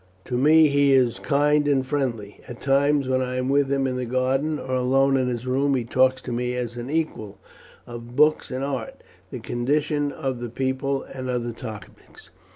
To me he is kind and friendly. At times when I am with him in the garden or alone in his room he talks to me as an equal, of books and art, the condition of the people, and other topics.